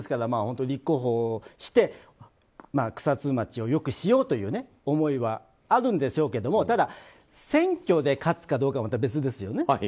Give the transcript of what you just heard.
立候補して草津町を良くしようという思いはあるんでしょうけどただ、選挙で勝つかどうかはまた別ですよね。